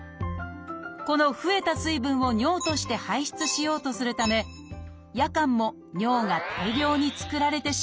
この増えた水分を尿として排出しようとするため夜間も尿が大量に作られてしまうのです。